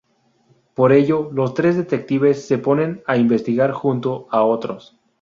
Por ello los tres detectives se ponen a investigar junto a otros.